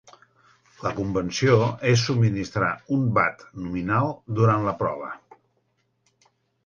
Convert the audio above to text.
La convenció es subministrar un watt nominal durant la prova.